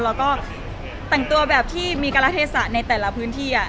แล้วก็แต่งตัวแบบที่มีกรราธิษฐ์ในแต่ละพื้นที่อ่ะ